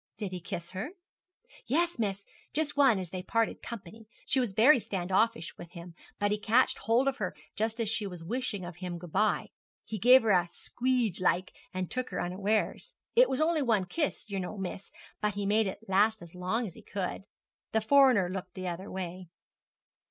'Did he kiss her?' 'Yes, miss, just one as they parted company. She was very stand offish with him, but he catched hold of her just as she was wishing of him good bye. He gave her a squeedge like, and took her unawares. It was only one kiss, yer know, miss, but he made it last as long as he could. The foreigner looked the other way.'